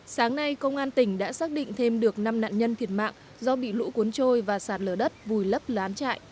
sáng nay công an tỉnh đã xác định thêm được năm nạn nhân thiệt mạng do bị lũ cuốn trôi và sạt lở đất vùi lấp lán trại